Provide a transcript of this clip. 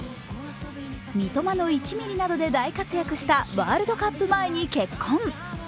三笘の１ミリなどで大活躍したワールドカップ前に結婚。